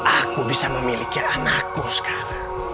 aku bisa memiliki anakku sekarang